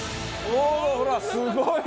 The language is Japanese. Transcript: うわーすごい！